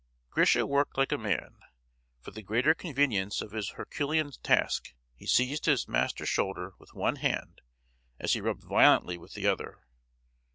Grisha worked like a man. For the greater convenience of his herculean task he seized his master's shoulder with one hand as he rubbed violently with the other.